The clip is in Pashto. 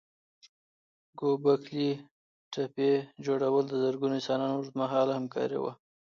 ګوبک لي تپې جوړول د زرګونو انسانانو اوږد مهاله همکاري وه.